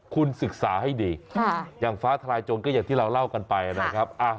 คุณศึกษาให้ดีอย่างฟ้าทลายโจรก็อย่างที่เราเล่ากันไปนะครับ